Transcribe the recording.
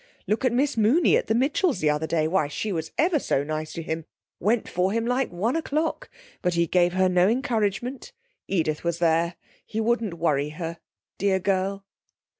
Look at Miss Mooney at the Mitchells' the other day, why, she was ever so nice to him; went for him like one o'clock; but he gave her no encouragement. Edith was there. He wouldn't worry her, dear girl.